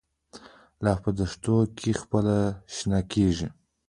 لاله په دښتو کې پخپله شنه کیږي